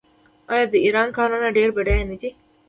آیا د ایران کانونه ډیر بډایه نه دي؟